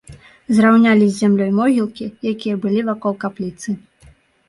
Зраўнялі з зямлёй могілкі, якія былі вакол капліцы.